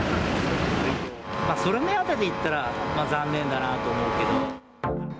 それ目当てで行ったら、残念だなと思うけど。